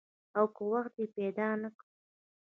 او که وخت دې پیدا نه کړ؟